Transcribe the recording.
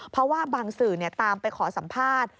เพราะว่าบางสื่อตามไปขอสัมภาษณ์